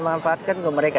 manfaatkan ke mereka